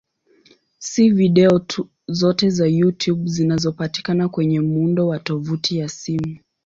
Si video zote za YouTube zinazopatikana kwenye muundo wa tovuti ya simu.